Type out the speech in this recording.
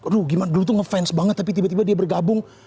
dulu tuh ngefans banget tapi tiba tiba dia bergabung